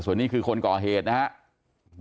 ส่วนนี้คือคนก่อเหตุนะครับ